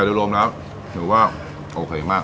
โดยรวมแล้วถือว่าโอเคมาก